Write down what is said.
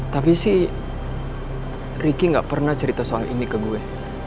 tapi sih ricky gak pernah cerita soal ini ke gue